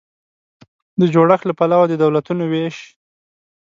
د جوړښت له پلوه د دولتونو وېش